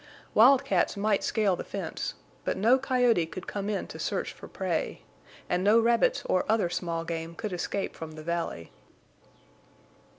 Wildcats might scale the fence, but no coyote could come in to search for prey, and no rabbits or other small game could escape from the valley.